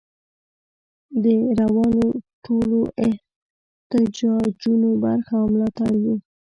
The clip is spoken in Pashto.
د روانو ټولو احتجاجونو برخه او ملاتړ یو.